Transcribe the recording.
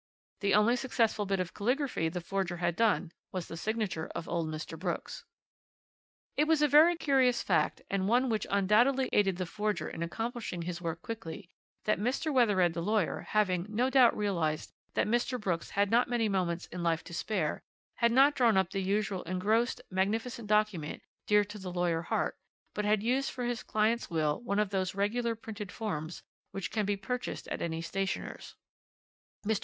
The only successful bit of caligraphy the forger had done was the signature of old Mr. Brooks. "It was a very curious fact, and one which had undoubtedly aided the forger in accomplishing his work quickly, that Mr. Wethered the lawyer having, no doubt, realized that Mr. Brooks had not many moments in life to spare, had not drawn up the usual engrossed, magnificent document dear to the lawyer heart, but had used for his client's will one of those regular printed forms which can be purchased at any stationer's. "Mr.